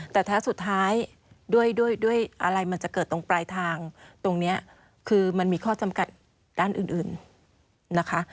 แต่แท้สุดท้ายด้วยด้วยอะไรมันจะเกิดตรงปลายทางตรงนี้คือมันมีข้อจำกัดด้านอื่นนะคะ